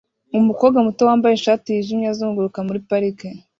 Umukobwa muto wambaye ishati yijimye azunguruka muri parike